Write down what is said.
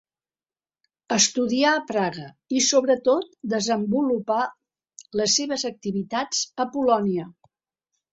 Estudià a Praga i sobretot desenvolupà les seves activitats a Polònia.